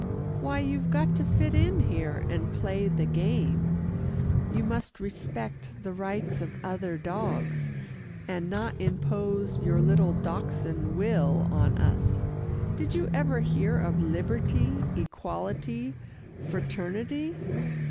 "Why, you've got to fit in here, and play the game. You must respect the rights of other dogs, and not impose your little Dachshund will on us. Did you ever hear of liberty, equality, fraternity?"